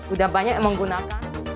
udah banyak yang menggunakan